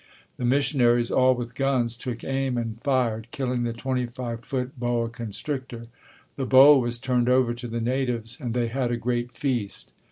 The missionaries, all with guns, took aim and fired, killing the twenty five foot boa constrictor. The boa was turned over to the natives and they had a great feast.